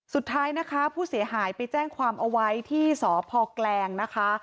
สุดท้ายนะคะผู้เสียหายไปแจ้งความเอาไว้ที่สพแกลงนะคะ